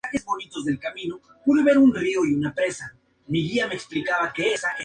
Helmuth Marx creó, en su función de escultor, obras representativas.